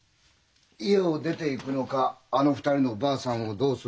家を出ていくのかあの２人のばあさんをどうするのか。